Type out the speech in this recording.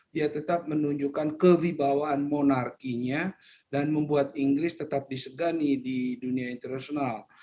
dia tetap menunjukkan kewibawaan monarkinya dan membuat inggris tetap disegani di dunia internasional